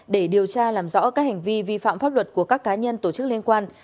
để điều tra làm rõ các hành vi vi phạm pháp luật của các cá nhân tổ chức liên quan